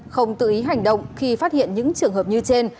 không tự ý hành động khi phát hiện những trường hợp như trên